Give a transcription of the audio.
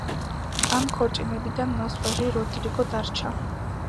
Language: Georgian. ამ ქორწინებიდან მას ვაჟი როდრიგო დარჩა.